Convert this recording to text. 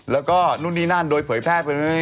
แล้วก็นู่นนี่นั่นโดยเผยแพร่เป็นวันนี้